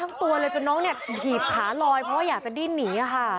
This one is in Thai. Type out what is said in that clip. ออกไว้ทั้งตัวเลยจนน้องเนี่ยหีบขาลอยเพราะว่าอยากจะดิ้นหนีอ่ะค่ะ